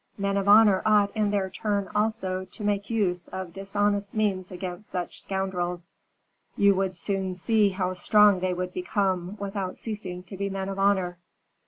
Men of honor, ought, in their turn, also, to make use of dishonest means against such scoundrels. You would soon see how strong they would become, without ceasing to be men of honor."